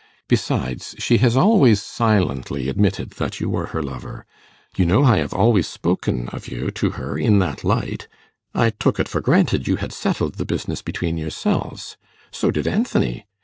Besides, she has always silently admitted that you were her lover. You know I have always spoken of you to her in that light. I took it for granted you had settled the business between yourselves; so did Anthony.